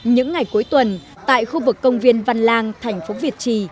những ngày cuối tuần tại khu vực công viên văn lang thành phố việt trì